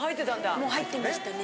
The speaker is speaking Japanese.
もう入ってましたね。